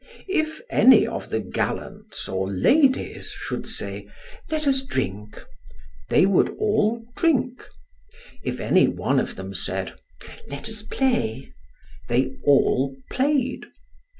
If any of the gallants or ladies should say, Let us drink, they would all drink. If any one of them said, Let us play, they all played.